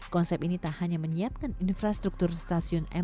konsep ini tak hanya menyiapkan infrastruktur stasiun mrt